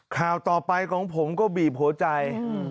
ข่าวต่อไปของผมก็บีบหัวใจ